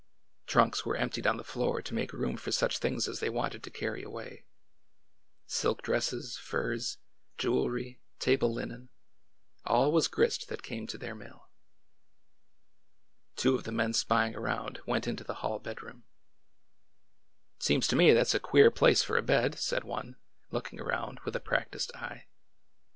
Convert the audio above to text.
Trunks were emptied on the floor to make room for such things as they wanted to carry away— silk dresses, furs, jewelry, table linen— all was grist that came to their mill. Two of the men spying around went into the hall bed room. A DAY OF SOWING 21 I It seems to me that 's a queer place for a bed/' said one, looking around with a practised eye.